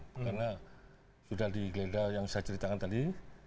karena sudah digeladah yang saya ceritakan tadi